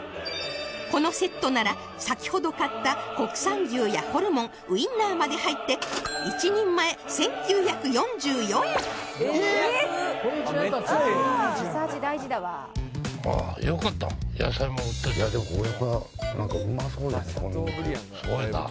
このセットなら先ほど買った国産牛やホルモンウインナーまで入ってえー安っリサーチ